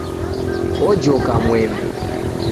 Ojoka mwembe.